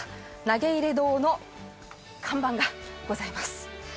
投入堂の看板がございます。